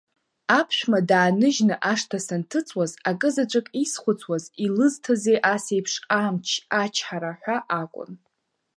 Аԥшәма дааныжьны ашҭа санҭыҵуаз акы заҵәык исхәыцуаз, илызҭазеи ас еиԥш амч, ачҳара ҳәа акәын.